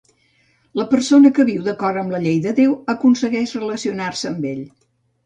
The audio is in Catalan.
La persona que viu d'acord amb la llei de Déu, aconsegueix relacionar-se amb ell.